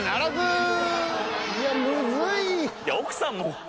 いやむずい。